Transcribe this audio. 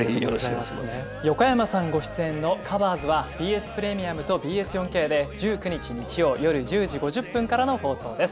横山さんご出演の「ｔｈｅＣｏｖｅｒｓ」はＢＳプレミアムとＢＳ４Ｋで１９日日曜夜１０時５０分からの放送です。